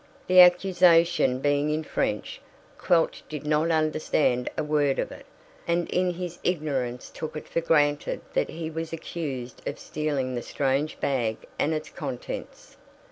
The accusation being in French, Quelch did not understand a word of it, and in his ignorance took it for granted that he was accused of stealing the strange bag and its contents.